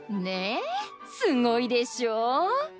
ねえすごいでしょう？